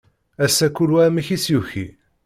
Ass-a kul wa amek i s-yuki.